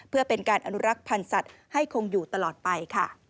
เพื่อเป็นการอนุรักษ์พันธ์สัตว์ให้คงอยู่ตลอดไปค่ะ